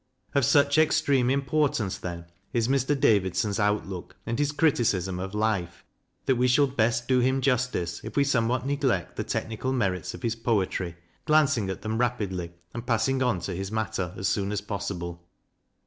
... Of such extreme importance, then, is Mr. Davidson's outlook, and his criticism of life, that we shall best do him justice if we somewhat neglect the technical merits of his poetry, glancing at them rapidly, and passing on to his matter as soon as possible.